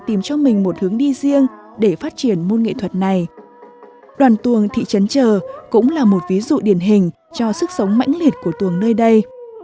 thị trấn trờ cũng là một ví dụ điển hình cho sức sống mãnh liệt của tuồng nơi đây